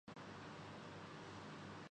دھواں لینے کو بخور کہتے ہیں۔